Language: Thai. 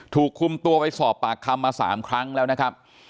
ถูกคุมตัวไปสอบปากคำมา๓ครั้งแล้วนะครับ